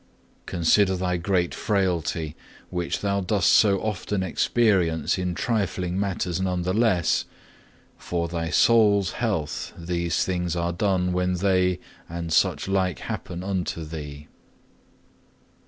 Consider thy great frailty, which thou dost so often experience in trifling matters nevertheless, for thy soul's health these things are done when they and such like happen unto thee.